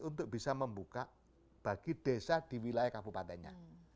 untuk bisa membuka bagi desa di wilayah kabupatennya